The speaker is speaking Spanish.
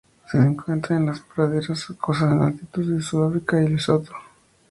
Se le encuentra en las praderas rocosas de altitud en Sudáfrica y Lesotho.